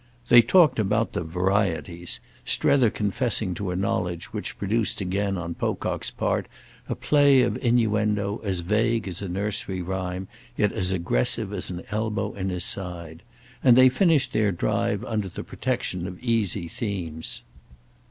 They talked about the Varieties—Strether confessing to a knowledge which produced again on Pocock's part a play of innuendo as vague as a nursery rhyme, yet as aggressive as an elbow in his side; and they finished their drive under the protection of easy themes.